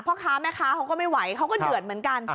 พ่อค้าแม่ค้าเขาก็ไม่ไหวเขาก็เดือดเหมือนกัน